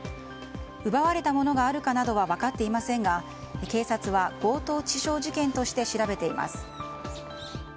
奪われたものがあるかなどは分かっていませんが警察は強盗致傷事件として調べています。